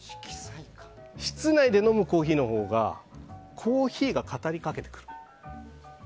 室内で飲むコーヒーのほうがコーヒーが語り掛けてくる。